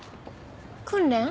訓練？